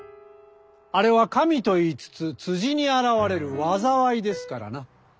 あれは「神」と言いつつ辻に現れる「災い」ですからな。